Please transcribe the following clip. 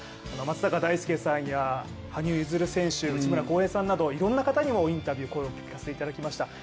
今、松坂大輔さんや羽生結弦選手内村航平さんなどいろんな方にインタビューをさせていただきました。